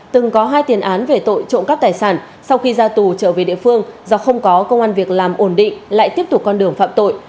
từng có hai tiền án về tội trộm cắp tài sản sau khi ra tù trở về địa phương do không có công an việc làm ổn định lại tiếp tục con đường phạm tội